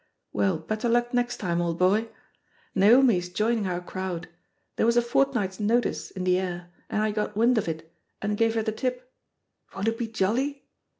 Well, bet ter luck next time, old boy! Naomi is joining our crowd. There was a fortnight's notice in the air^ and I got wind of it, and gave her the tip. Won't it be jolly?